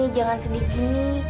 jangan sedih gini